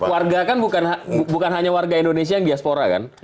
warga kan bukan hanya warga indonesia yang diaspora kan